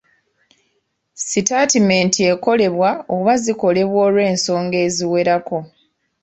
Sitaatimenti ekolebwa oba zikolebwa olw'ensonga eziwerako.